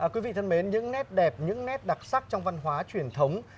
quý vị thân mến những nét đẹp những nét đặc sắc trong văn hóa truyền thống